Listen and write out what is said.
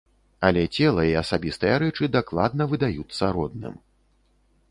Але цела і асабістыя рэчы дакладна выдаюцца родным.